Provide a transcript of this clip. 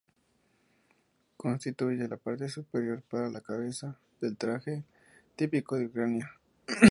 Constituye la parte superior, para la cabeza, del traje típico de Ucrania.